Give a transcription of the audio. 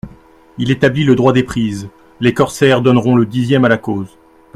Il établit le droit des prises ; les corsaires donneront le dixième à la cause.